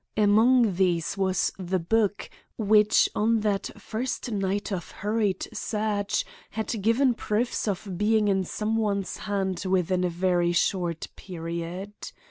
Among these was the book which on that first night of hurried search had given proofs of being in some one's hand within a very short period.